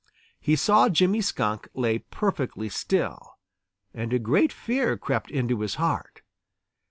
He saw Jimmy Skunk lay perfectly still, and a great fear crept into his heart.